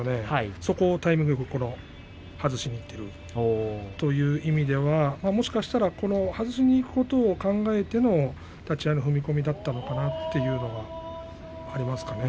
そこをタイミングよく外しにいっているという意味ではもしかしたら外しにいくことを考えての立ち合いの踏み込みだったのかなというのはありますかね。